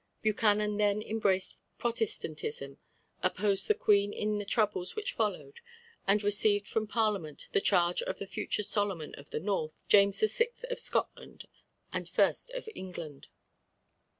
Buchanan then embraced Protestantism, opposed the Queen in the troubles which followed, and received from Parliament the charge of the future Solomon of the North, James VI. of Scotland and I. of England.